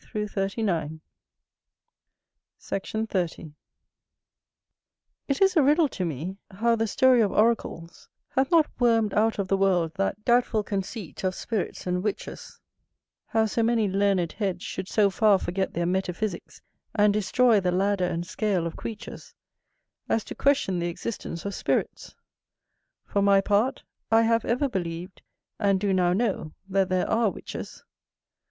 [H] In his oracle to Augustus. Sect. 30. It is a riddle to me, how the story of oracles hath not wormed out of the world that doubtful conceit of spirits and witches; how so many learned heads should so far forget their metaphysicks, and destroy the ladder and scale of creatures, as to question the existence of spirits; for my part, I have ever believed, and do now know, that there are witches.